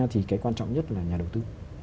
thì cái quan trọng nhất là nhà đầu tư